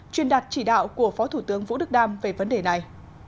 truyền đặt chỉ đạo của phó thủ tướng vũ đức đam về vấn đề này